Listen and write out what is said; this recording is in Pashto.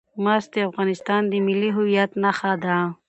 مس د افغانستان د ملي هویت نښه ده.